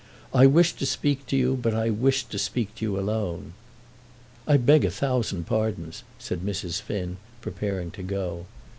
"I wished to speak to you, but I wished to speak to you alone." "I beg a thousand pardons," said Mrs. Finn, preparing to go.